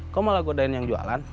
kamu malah godain yang jualan